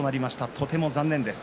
とても残念です。